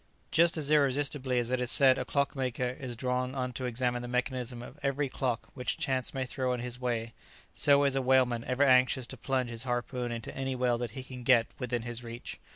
Just as irresistibly as it is said a clockmaker is drawn on to examine the mechanism of every clock which chance may throw in his way, so is a whaleman ever anxious to plunge his harpoon into any whale that he can get within his reach.